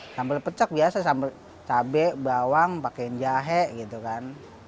sambal pecak biasa sambal cabai bawang pakaiin jahe gitu kan